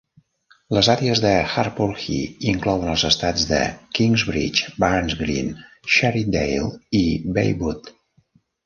Les àrees de Harpurhey inclouen els estats de Kingsbridge, Barnes Green, Shiredale i Baywood.